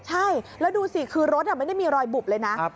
ใช่แล้วดูสิคือรถไม่ได้มีรอยบุบเลยนะ